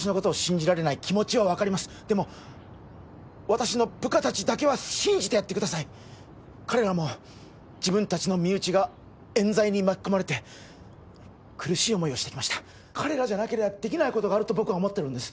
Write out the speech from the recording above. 私の部下達だけは信じてやってください彼らも自分達の身内が冤罪に巻き込まれて苦しい思いをしてきました彼らじゃなければできないことがあると僕は思ってるんです